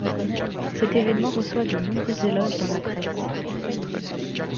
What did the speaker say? Cet événement reçoit de nombreux éloges dans la presse.